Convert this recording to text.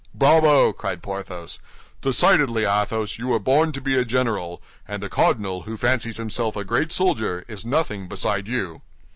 "Bravo!" cried Porthos. "Decidedly, Athos, you were born to be a general, and the cardinal, who fancies himself a great soldier, is nothing beside you."